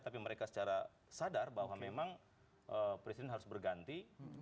tapi mereka secara sadar bahwa memang presiden harus berganti